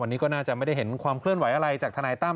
วันนี้ก็น่าจะไม่ได้เห็นความเคลื่อนไหวอะไรจากทนายตั้ม